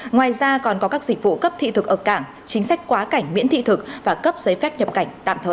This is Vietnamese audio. ngoài ra còn có các dịch vụ cấp thị thực ở cảng chính sách quá cảnh miễn thị thực và cấp giấy phép nhập cảnh tạm thời